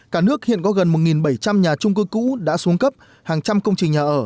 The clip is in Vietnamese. cả nước hiện có gần một bảy trăm linh nhà trung cư cũ đã xuống cấp hàng trăm công trình nhà ở